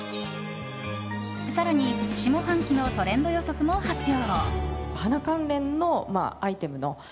更に下半期のトレンド予測も発表。